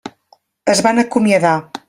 Es van acomiadar.